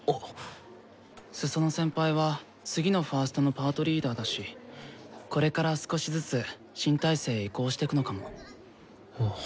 裾野先輩は次のファーストのパートリーダーだしこれから少しずつ新体制へ移行してくのかも。